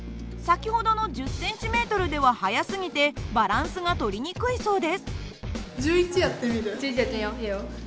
先ほどの１０ｃｍでは速すぎてバランスが取りにくいそうです。